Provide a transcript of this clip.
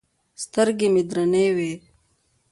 سترګې مې درنې وې.